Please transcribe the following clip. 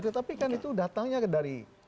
tetapi kan itu datangnya dari